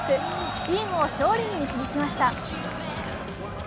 チームを勝利に導きました。